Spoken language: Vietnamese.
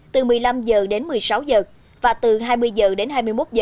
từ một mươi năm h đến một mươi sáu h và từ hai mươi h đến hai mươi một h